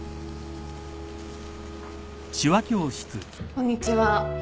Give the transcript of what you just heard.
こんにちは。